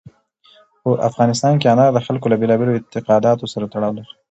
په افغانستان کې انار د خلکو له بېلابېلو اعتقاداتو سره تړاو لري.